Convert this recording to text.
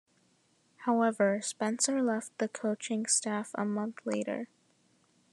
However, Spencer left the coaching staff a month later.